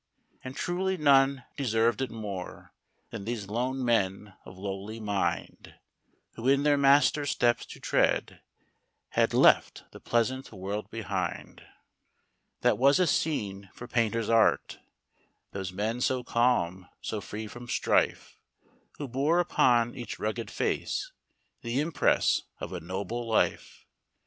And truly none deserved it more, Than these lone men of lowly mind, Who, in their Master's steps to tread, Had Mt the pleasant world behind. HECTOR , THE DOG. That was a scene for painter's art, Those men so calm, so free from strife, Who bore upon each rugged face The impress of a noble life.